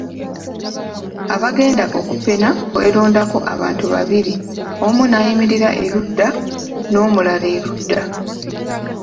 Abagenda okupena kwerondako abantu babiri omu n'ayimirira erudda n'omulala erudda.